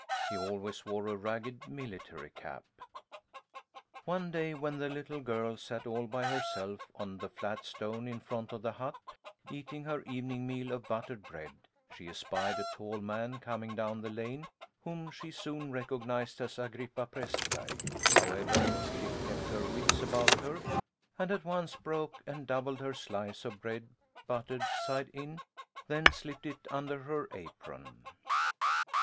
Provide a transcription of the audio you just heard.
He always wore a ragged military cap. One day when the little girl sat all by herself on the flat stone in front of the hut, eating her evening meal of buttered bread, she espied a tall man coming down the lane whom she soon recognized as Agrippa Prästberg. However, she kept her wits about her, and at once broke and doubled her slice of bread buttered side in then slipped it under her apron.